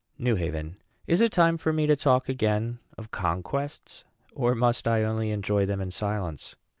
NEW HAVEN. Is it time for me to talk again of conquests? or must I only enjoy them in silence?